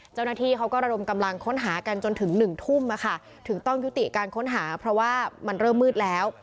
เจ้าหน้าที่เขาก็ระดมกำลังค้นหากันจนถึง๑ทุ่มถึงต้องยุติการค้นหาเพราะว่ามันเริ่มมืดแล้ว